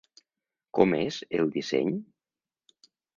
Com és el disseny?